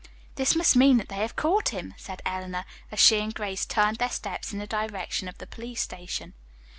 "This must mean that they have caught him," said Eleanor, as she and Grace turned their steps in the direction of the police station.